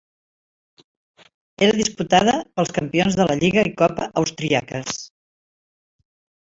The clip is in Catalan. Era disputada pels campions de la lliga i copa austríaques.